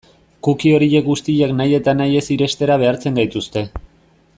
Cookie horiek guztiak nahi eta nahi ez irenstera behartzen gaituzte.